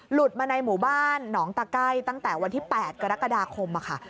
หลุดมาในหมู่บ้านหนองตะไก้ตั้งแต่วันที่๘กรกฎาคมค่ะ